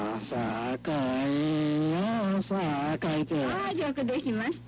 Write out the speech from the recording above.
「はいよくできました」。